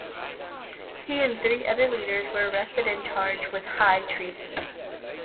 He and three other leaders were arrested and charged with high treason.